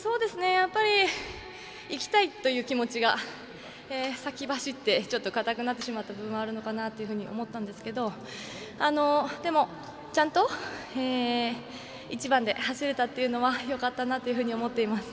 やっぱりいきたいという気持ちが先走って、ちょっと硬くなってしまった部分はあるのかなというふうに思ったんですけどでも、ちゃんと１番で走れたというのはよかったなというふうに思っています。